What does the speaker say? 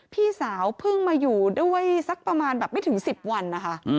พี่สาวเพิ่งมาอยู่ด้วยสักประมาณแบบไม่ถึง๑๐วันนะคะ